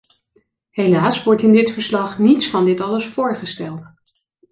Helaas wordt in dit verslag niets van dit alles voorgesteld.